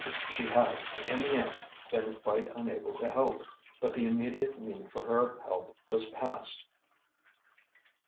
She had, in the end, been quite unable to help; but the immediate need for her help was past.